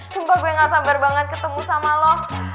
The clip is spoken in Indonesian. jumpa gue gak sabar banget ketemu sama lo